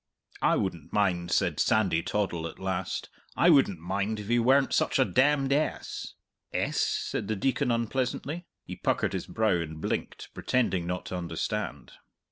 "I wouldn't mind," said Sandy Toddle at last "I wouldn't mind if he weren't such a demned ess!" "Ess?" said the Deacon unpleasantly. He puckered his brow and blinked, pretending not to understand.